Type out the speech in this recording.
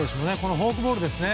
フォークボールですよね。